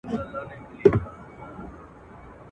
خدایه څه کانه را وسوه، دا د چا آزار مي واخیست.